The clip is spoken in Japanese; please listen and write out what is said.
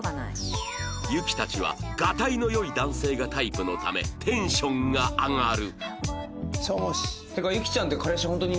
ユキたちはガタイの良い男性がタイプのためテンションが上がる